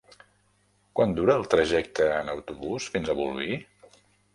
Quant dura el trajecte en autobús fins a Bolvir?